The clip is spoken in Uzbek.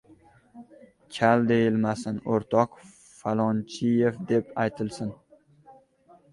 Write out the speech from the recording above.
Kal deyilmasin! O‘rtoq Falonchiyev deb aytilsin!